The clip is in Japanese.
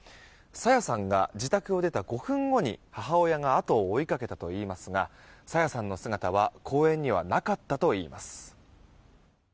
朝芽さんが自宅を出た５分後に母親が後を追いかけたといいますが朝芽さんの姿は公園にはなかったといいます。